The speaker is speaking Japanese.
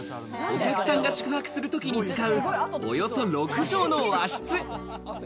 お客さんが宿泊する時に使う、およそ６帖の和室。